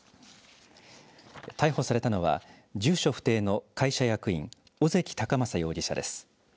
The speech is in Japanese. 逮捕されたのは住所不定の会社役員小関貴雅容疑者です。